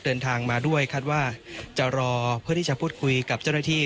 เดินทางมาด้วยคาดว่าจะรอเพื่อที่จะพูดคุยกับเจ้าหน้าที่